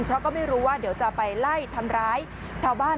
เพราะก็ไม่รู้ว่าเดี๋ยวจะไปไล่ทำร้ายชาวบ้าน